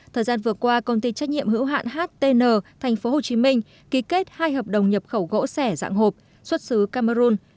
thời gian vừa qua công ty trách nhiệm hữu hạn htn tp hcm ký kết hai hợp đồng nhập khẩu gỗ sẻ dạng hộp xuất xứ cameroon